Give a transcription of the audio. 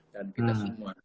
dan kita semua